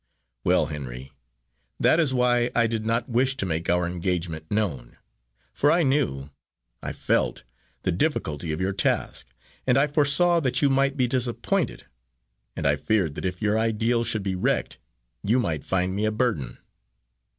Well, Henry, that is why I did not wish to make our engagement known, for I knew, I felt, the difficulty of your task, and I foresaw that you might be disappointed, and I feared that if your ideal should be wrecked, you might find me a burden.